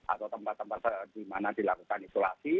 atau tempat tempat di mana dilakukan isolasi